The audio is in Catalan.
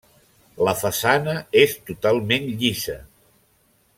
La façana és totalment llisa.